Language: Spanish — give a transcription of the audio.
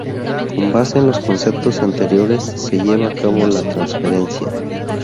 Con base en los conceptos anteriores se lleva a cabo la Transferencia.